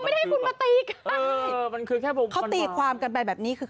เขาไม่ได้ให้คุณมาตีกันเออมันคือแค่มันแบบแบบนี้คือ